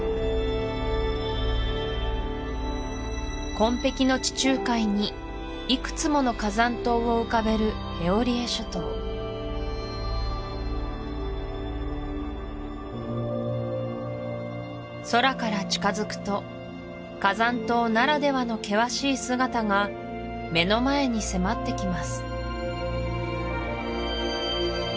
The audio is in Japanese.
紺碧の地中海にいくつもの火山島を浮かべるエオリエ諸島空から近づくと火山島ならではの険しい姿が目の前に迫ってきます